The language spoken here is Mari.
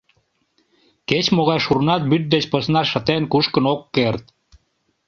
Кеч-могай шурнат вӱд деч посна шытен, кушкын ок керт.